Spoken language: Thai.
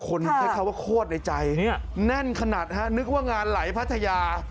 ใช้คำว่าโคตรในใจแน่นขนาดฮะนึกว่างานไหลพัทยา